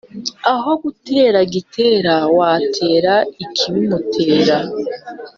Aho gutera Gitera watera ikibimutera.